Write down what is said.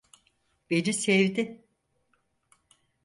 Beni sevdi.